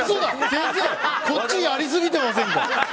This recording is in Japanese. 先生、こっちやりすぎてません？